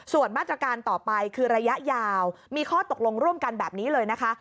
ส่วนมาตรการต่อไปคือระยะยาวมีข้อตกลงร่วมกันแบบนี้เลยนะคะ